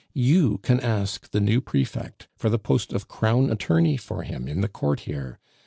You can ask the new prefect for the post of crown attorney for him in the court here.